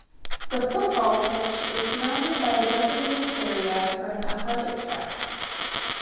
The football pitch is surrounded by a designated area for an athletic track.